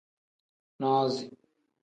Nozi.